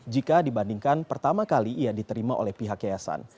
jika dibandingkan pertama kali ia diterima oleh pihak yayasan